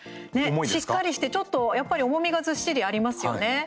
しっかりしてちょっと、やっぱり重みがずっしりありますよね。